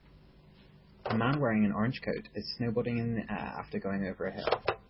A man wearing an orange coat is snowboarding in the air after going over a hill.